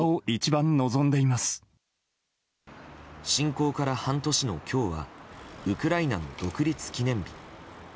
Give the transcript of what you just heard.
侵攻から半年の今日はウクライナの独立記念日。